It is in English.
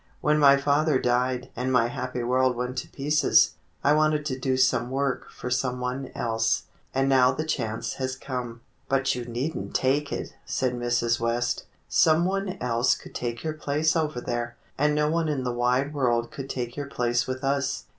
When my father died and my happy world went to pieces, I wanted to do some work for some one else, and now the chance has come." "But you need n't take it," said Mrs. West. "Some one else could take your place over there, and no one in the wide world could take your place with ns."